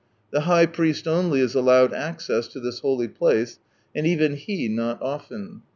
The high priest only is allowed access to this holy place, and even he not often.